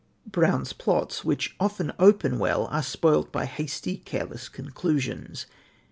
Brown's plots, which often open well, are spoilt by hasty, careless conclusions.